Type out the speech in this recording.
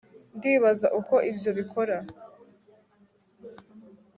ndibaza uko ibyo bikora